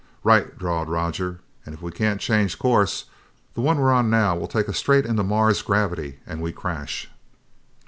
"Right," drawled Roger. "And if we can't change course, the one we're on now will take us straight into Mars's gravity and we crash!"